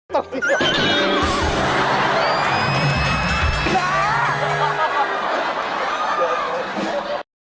ตรงที่